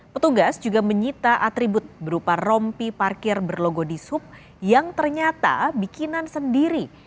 petugas juga menyita atribut berupa rompi parkir berlogo di sub yang ternyata bikinan sendiri